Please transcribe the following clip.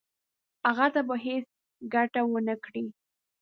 هغه ته به هیڅ ګټه ونه کړي.